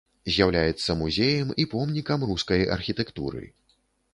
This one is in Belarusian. З'яўляецца музеем і помнікам рускай архітэктуры.